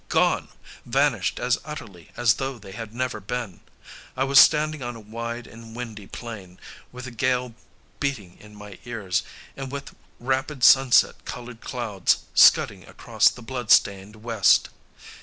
Gone! vanished as utterly as though they had never been! I was standing on a wide and windy plain, with the gale beating in my ears, and with rapid sunset colored clouds scudding across the blood stained west.